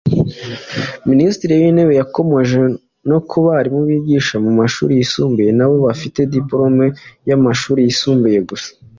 Minisitiri w’Intebe yakomoje no ku barimu bigisha mu mashuri yisumbuye nabo bafite dipolome y’amashuri yisumbuye gusa